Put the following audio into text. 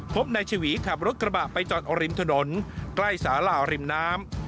พบในชีวีขับรถกระบะไปจอดอริมถนนใกล้สาลาอริมน้ำ